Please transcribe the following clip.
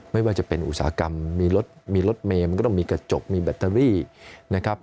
ไม่ว่าจะเป็นอุตสาหกรรมมีรถมีรถเมย์มันก็ต้องมีกระจกมีแบตเตอรี่นะครับ